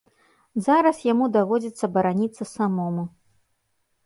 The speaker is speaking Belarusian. Зараз яму даводзіцца бараніцца самому.